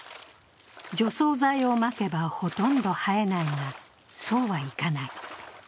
除草剤をまけばほとんど生えないが、そうはいかない。